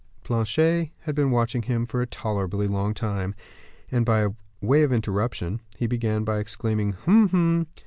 Planchet had been watching him for a tolerably long time, and, by way of interruption, he began by exclaiming, "Hum! hum!"